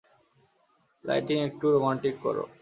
Lighting একটু romantic কর?